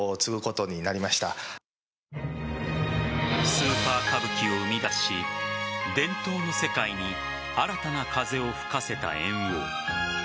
スーパー歌舞伎を生み出し伝統の世界に新たな風を吹かせた猿翁。